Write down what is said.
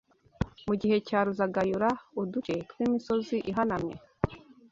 Mu gihe cya Ruzagayura, uduce tw’imisozi ihanamye